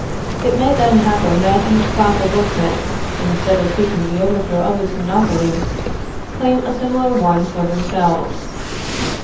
It may then happen that each class of workmen, instead of seeking the overthrow of this monopoly, claim a similar one for themselves.